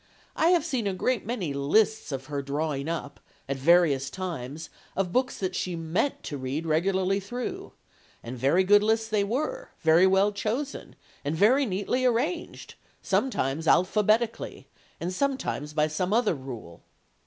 'I have seen a great many lists of her drawing up, at various times, of books that she meant to read regularly through and very good lists they were, very well chosen, and very neatly arranged sometimes alphabetically, and sometimes by some other rule.